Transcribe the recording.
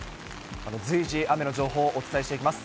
随時、雨の情報お伝えしていきます。